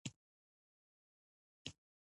د چا سرېنده يو څه پر اهنګ او کمپوز برابره وي.